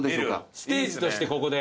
ステージとしてここで。